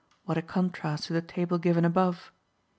What a contrast to the table given above!